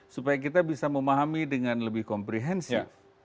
supaya kita bisa memahami dengan lebih komprehensif